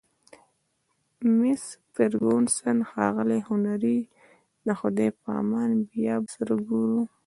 مس فرګوسن: ښاغلی هنري، د خدای په امان، بیا به سره ګورو.